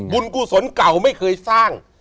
กุศลเก่าไม่เคยสร้าง